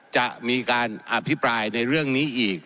จะมีการอภิปรายในเรื่องนี้อีก